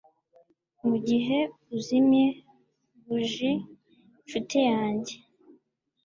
mugihe uzimye buji, nshuti yanjye